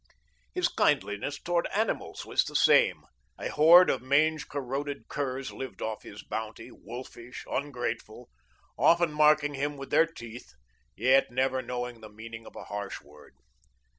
His kindliness toward animals was the same. A horde of mange corroded curs lived off his bounty, wolfish, ungrateful, often marking him with their teeth, yet never knowing the meaning of a harsh word.